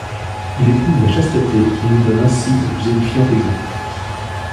Il épouse la chasteté et nous donne ainsi le plus édifiant exemple.